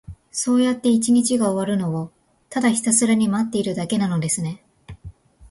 そうやって一日が終わるのを、ただひたすら待っているだけなのですね。